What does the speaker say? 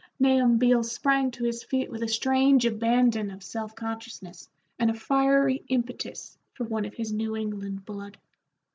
Nahum Beals sprang to his feet with a strange abandon of self consciousness and a fiery impetus for one of his New England blood.